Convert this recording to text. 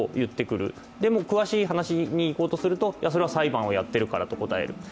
でも詳しい話にいこうとすると、いやそれは裁判をやっているからと答える。